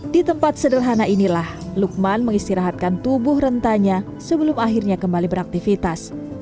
di tempat sederhana inilah lukman mengistirahatkan tubuh rentanya sebelum akhirnya kembali beraktivitas